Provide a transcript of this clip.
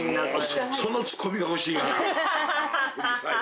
そのツッコミが欲しいがな。